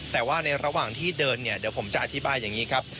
แต่ว่าในระหว่างที่เดินเนี่ยเดี๋ยวผมจะอธิบายอย่างนี้ครับ